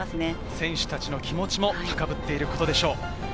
選手たちの気持ちも高ぶっていることでしょう。